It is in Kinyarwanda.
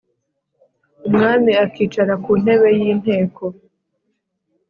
umwami akicara ku ntébe y íinteko